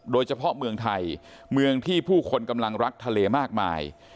โดยเฉพาะเมืองไทยเมืองที่ผู้คนกำลังรักทะเลมากมาย